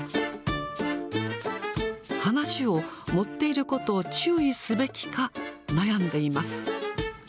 話を盛っていることを注意すべきか、悩んでいます。